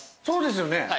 そうですよね。